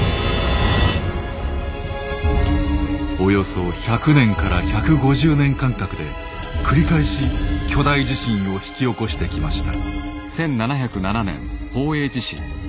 およそ１００年から１５０年間隔で繰り返し巨大地震を引き起こしてきました。